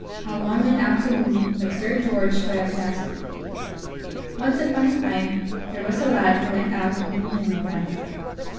HOW ONE WENT OUT TO WOO By Sir George Webbe Dasent Once upon a time there was a lad who went out to woo him a wife.